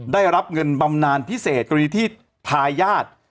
ได้รับเงินบำนานพิเศษกรณีที่ทายาท